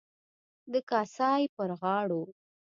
د کاسای پر غاړو.